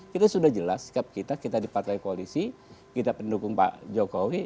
kita sudah jelas sikap kita kita di partai koalisi kita pendukung pak jokowi